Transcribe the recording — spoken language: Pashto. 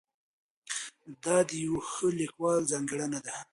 دا د یوه ښه لیکوال ځانګړنه ده.